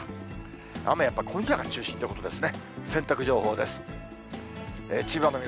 雨、やっぱり今夜が中心ということですね。